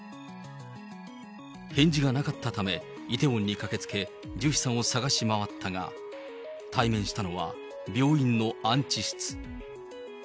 返事がなかったため、イテウォンに駆けつけ、ジュヒさんを捜し回ったが、対面したのは病院の安置室。